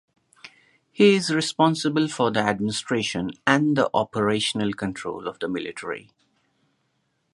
He is responsible for the administration and the operational control of the military.